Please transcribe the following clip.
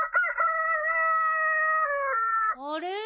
あれ？